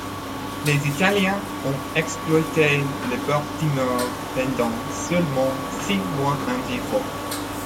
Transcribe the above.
Les Italiens ont exploité le Baltimore pendant seulement six mois environ.